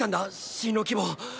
進路希望。